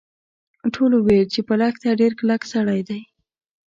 ټولو ویل چې په لښته ډیر کلک سړی دی.